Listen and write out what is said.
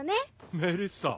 メリッサ。